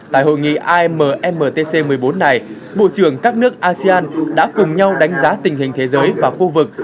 tại hội nghị ammtc một mươi bốn này bộ trưởng các nước asean đã cùng nhau đánh giá tình hình thế giới và khu vực